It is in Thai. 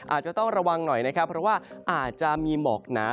อาจจะต้องระวังหน่อยนะครับเพราะว่าอาจจะมีหมอกหนา